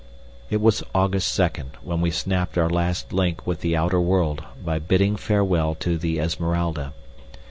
It was August 2nd when we snapped our last link with the outer world by bidding farewell to the Esmeralda.